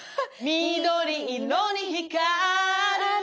「緑色に光る」